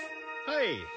はい。